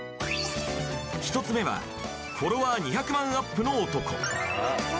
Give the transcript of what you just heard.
１つ目はフォロワー２００万アップの男。